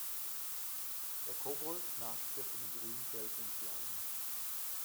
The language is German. Der Kobold naschte vom grüngelben Schleim.